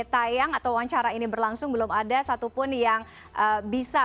tayang atau wawancara ini berlangsung belum ada satupun yang bisa